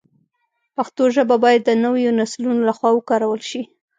پښتو ژبه باید د نویو نسلونو له خوا وکارول شي.